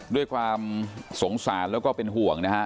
ด้วยความสงสารแล้วก็เป็นห่วงนะฮะ